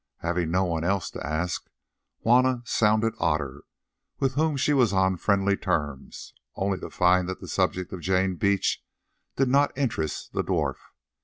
Having no one else to ask, Juanna sounded Otter, with whom she was on friendly terms, only to find that the subject of Jane Beach did not interest the dwarf.